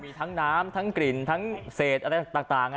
มีทั้งน้ำทั้งกลิ่นทั้งเศษอะไรต่าง